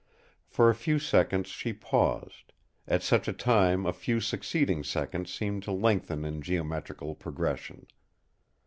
For a few seconds she paused; at such a time a few succeeding seconds seem to lengthen in geometrical progression.